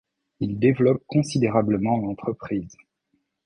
Il développe considérablement l’entreprise.